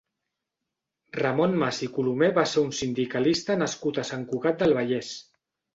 Ramon Mas i Colomer va ser un sindicalista nascut a Sant Cugat del Vallès.